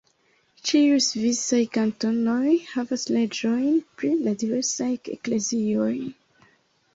Ĉiuj svisaj kantonoj havas leĝojn pri la diversaj eklezioj.